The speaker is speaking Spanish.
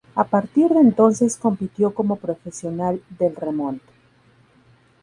A partir de entonces compitió como profesional del remonte.